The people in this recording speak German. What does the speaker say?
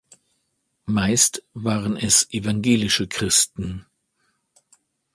Meist waren es evangelische Christen.